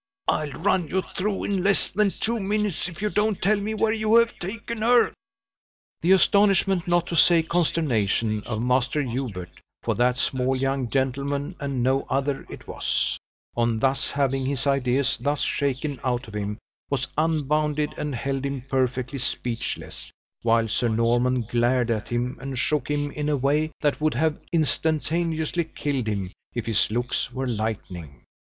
I'll run you through in less than two minutes, if you don't tell me where you have taken her." The astonishment, not to say consternation, of Master Hubert for that small young gentleman and no other it was on thus having his ideas thus shaken out of him, was unbounded, and held him perfectly speechless, while Sir Norman glared at him and shook him in a way that would have instantaneously killed him if his looks were lightning.